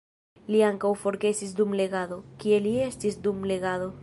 Li ankaŭ forgesis dum legado, kie li estis dum legado.